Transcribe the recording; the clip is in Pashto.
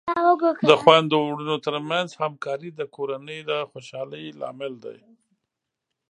د خویندو ورونو ترمنځ همکاري د کورنۍ د خوشحالۍ لامل دی.